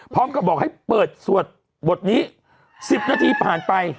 พร้อมกับบอกให้เปิดสวดบทนี้๑๐นาทีผ่านไป